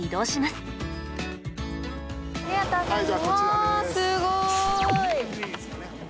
すごい！